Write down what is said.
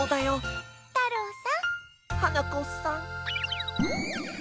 はなこさん。